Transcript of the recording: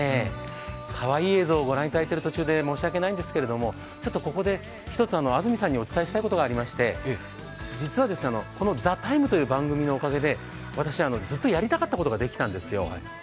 かわいい映像を御覧いただいてる途中で申し訳ないんですがちょっとここで１つ、安住さんにお伝えしたいことがありまして、実はこの「ＴＨＥＴＩＭＥ，」という番組のおかげで私、ずっとやりたかったことができたんですよ。